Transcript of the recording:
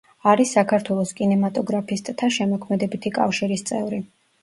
არის საქართველოს კინემატოგრაფისტთა შემოქმედებითი კავშირის წევრი.